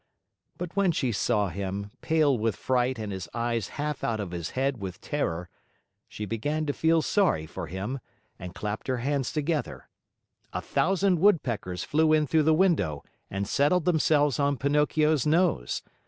But when she saw him, pale with fright and with his eyes half out of his head from terror, she began to feel sorry for him and clapped her hands together. A thousand woodpeckers flew in through the window and settled themselves on Pinocchio's nose.